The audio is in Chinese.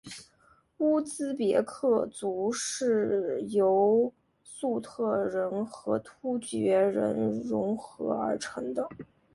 乌兹别克族是由粟特人和突厥人溶合而成。